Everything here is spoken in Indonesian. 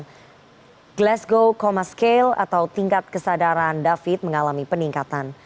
di glasgow coma scale atau tingkat kesadaran david mengalami peningkatan